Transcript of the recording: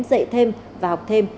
dạy thêm và học thêm